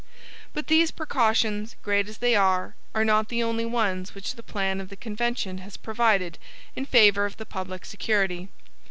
But these precautions, great as they are, are not the only ones which the plan of the convention has provided in favor of the public security.